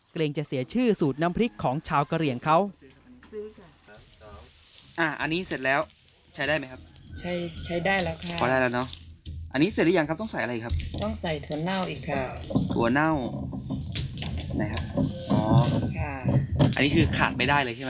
เกรงจะเสียชื่อสูตรน้ำพริกของชาวกะเหลี่ยงเขา